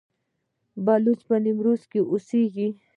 بلوڅان په نیمروز کې اوسیږي؟